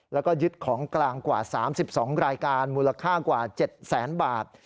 แล้วก็ยึดของกลางกว่า๓๒รายการมูลค่ากว่า๗แสนบาท